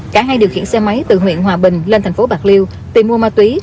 cả hai điều khiển xe máy từ huyện hòa bình lên thành phố bạc liêu tìm mua ma túy